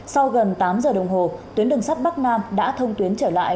sau gần tám giờ đồng hồ tuyến đường sắt bắc nam đã thông tuyến trở lại